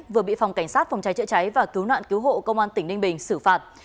vừa bị phòng cảnh sát phòng cháy chữa cháy và cứu nạn cứu hộ công an tỉnh ninh bình xử phạt